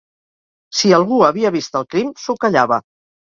Si algú havia vist el crim, s'ho callava.